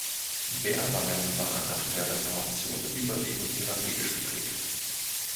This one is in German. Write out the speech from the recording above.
Berwangen war nach der Reformation überwiegend evangelisch geprägt.